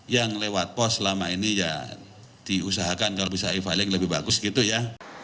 yang lewat pos selama ini ya diusahakan kalau bisa e filing lebih bagus gitu ya